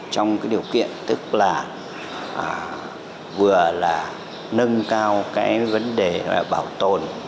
trong cái điều kiện tức là vừa là nâng cao cái vấn đề bảo tồn